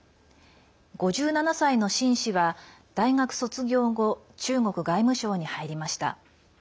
５７歳の秦氏は、大学卒業後中国外務省に入りました。